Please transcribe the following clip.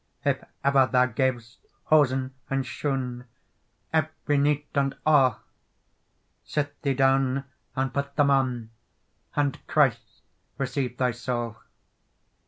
If ever thou gavest hosen and shoon, Every nighte and alle, Sit thee down and put them on; And Christe receive thye saule.